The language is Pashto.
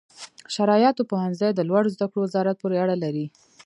شرعیاتو پوهنځي د لوړو زده کړو وزارت پورې اړه لري.